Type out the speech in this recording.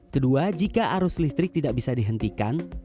kedua jika arus listrik tidak bisa dihentikan